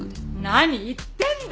何言ってんだ！